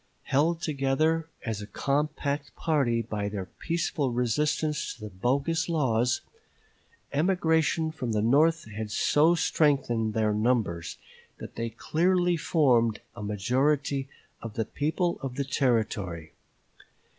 Held together as a compact party by their peaceful resistance to the bogus laws, emigration from the North had so strengthened their numbers that they clearly formed a majority of the people of the Territory.